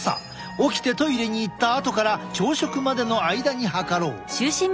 起きてトイレに行ったあとから朝食までの間に測ろう。